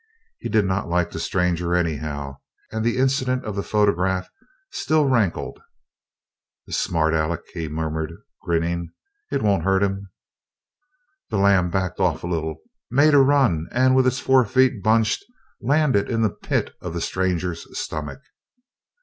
He did not like the stranger, anyhow, and the incident of the photograph still rankled. "The Smart Alec," he muttered, grinning, "it won't hurt him." The lamb backed off a little, made a run, and with its four feet bunched, landed in the pit of the stranger's stomach.